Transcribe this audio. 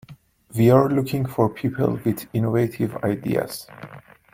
We are looking for people with innovative ideas.